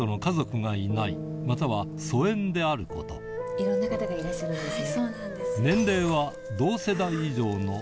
いろんな方がいらっしゃるんですね。